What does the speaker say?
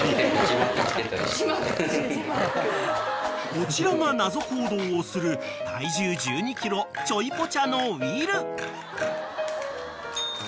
［こちらが謎行動をする体重１２ｋｇちょいポチャのウィル］